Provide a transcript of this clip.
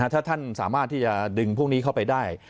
ถ้าท่านสามารถที่จะดึงพวกนี้เข้าไปได้